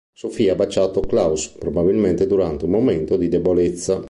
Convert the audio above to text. Sophia ha baciato Claus, probabilmente durante un momento di debolezza.